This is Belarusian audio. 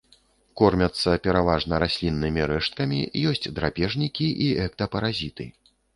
Кормяцца пераважна расліннымі рэшткамі, ёсць драпежнікі і эктапаразіты.